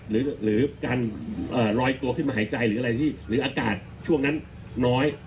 หรือการลอยตัวขึ้นมาหายใจหรืออากาศช่วงนั้นน้อย